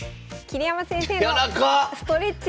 桐山先生